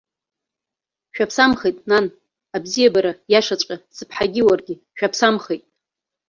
Шәаԥсамхеит, нан, абзиабара иашаҵәҟьа сыԥҳагьы уаргьы шәаԥсамхеит.